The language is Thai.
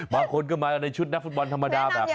บางคนก็มาในชุดนักฟุตบอลธรรมดาแบบนี้